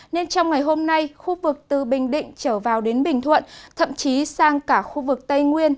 nên trong ngày hôm nay khu vực từ bình định trở vào đến bình thuận thậm chí sang cả khu vực tây nguyên